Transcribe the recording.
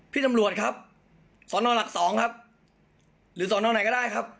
พี่ตำรวจครับสอนอหลักสองครับหรือสอนอไหนก็ได้ครับ